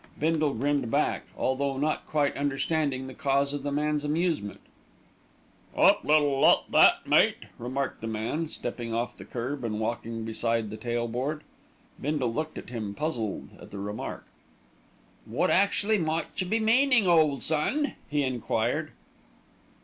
Bindle grinned back, although not quite understanding the cause of the man's amusement. "'Ot little lot that, mate," remarked the man, stepping off the kerb and walking beside the tailboard. Bindle looked at him, puzzled at the remark. "Wot exactly might you be meanin', ole son?" he enquired.